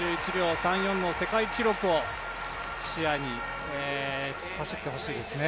２１秒３４の世界記録を視野に走ってほしいですね。